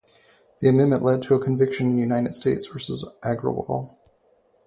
The amendment led to a conviction in "United States versus Agrawal".